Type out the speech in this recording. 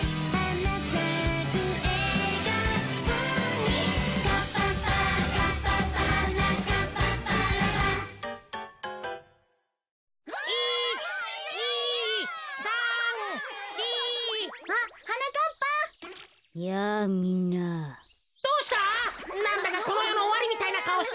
なんだかこのよのおわりみたいなかおしてるぜ。